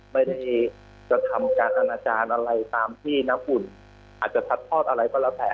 ไม่ได้กระทำการอนาจารย์อะไรตามที่น้ำอุ่นอาจจะซัดทอดอะไรก็แล้วแต่